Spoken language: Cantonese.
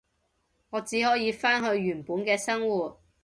我只可以返去原本嘅生活